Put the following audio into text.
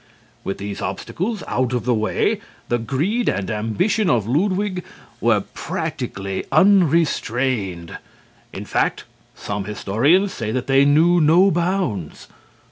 With these obstacles out of the way, the greed and ambition of Ludwig were practically unrestrained. In fact, some historians say that they knew no bounds.